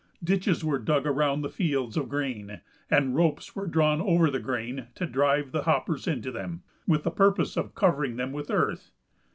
Ditches were dug around the fields of grain, and ropes drawn over the grain to drive the hoppers into them, with the purpose of covering them with earth.